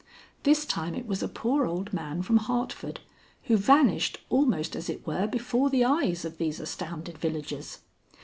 This time it was a poor old man from Hartford, who vanished almost as it were before the eyes of these astounded villagers.